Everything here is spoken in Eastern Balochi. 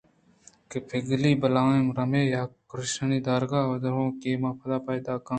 کہ پُگلانی بلاہیں رمے پر اے کرگُشکانی دِرِکّ ءُ دئوران کہ اے پہ ما پیداکاں